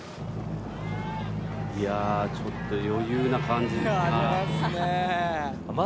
いやちょっと余裕な感じも。